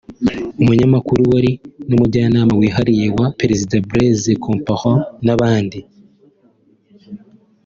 umunyamakuru wari n’umujyanama wihariye wa perezida Blaise Compaoré n’abandi